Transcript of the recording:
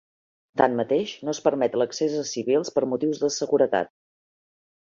Tanmateix, no es permet l'accés a civils per motius de seguretat.